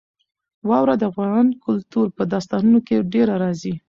واوره د افغان کلتور په داستانونو کې ډېره راځي.